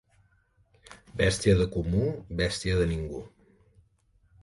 Bèstia de comú, bèstia de ningú.